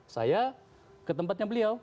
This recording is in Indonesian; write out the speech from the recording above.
saya ke tempatnya beliau